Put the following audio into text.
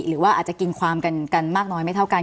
หรือว่าอาจจะกินความกันมากน้อยไม่เท่ากัน